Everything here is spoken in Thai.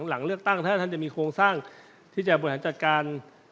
หลังเลือกตั้งถ้าท่านจะมีโครงสร้างที่จะบริหารจัดการ